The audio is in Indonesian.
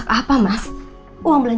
aku pada sedih